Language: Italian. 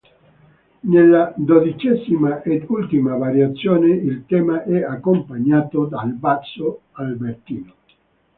Nella dodicesima ed ultima variazione il tema è accompagnato dal basso albertino.